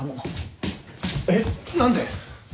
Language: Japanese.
えっ？何で？